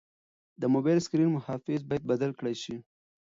د موبایل د سکرین محافظ باید بدل کړل شي.